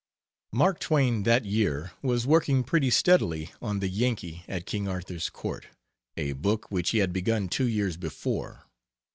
Mark Twain that year was working pretty steadily on 'The Yankee at King Arthur's Court', a book which he had begun two years before.